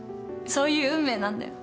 そういう運命なんだよ。